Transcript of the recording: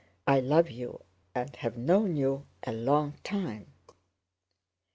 I love you and have known you a long time."